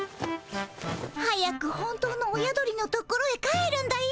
早く本当の親鳥の所へ帰るんだよ。